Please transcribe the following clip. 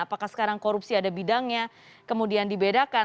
apakah sekarang korupsi ada bidangnya kemudian dibedakan